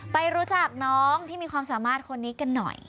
ไปรู้จักน้องที่มีความสามารถคนนี้กันหน่อย